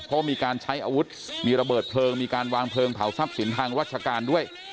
เพราะมีการใช้อาวุธมีระเบิดเพลิงมีการวางเพลิงเผาทรัพย์สินทางราชการด้วย